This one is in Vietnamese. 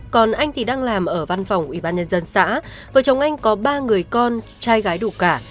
còn anh thì đang làm ở văn phòng ủy ban nhân dân xã vợ chồng anh có ba người con trai gái đủ cả